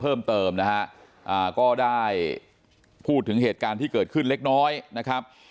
เพิ่มเติมนะฮะก็ได้พูดถึงเหตุการณ์ที่เกิดขึ้นเล็กน้อยนะครับ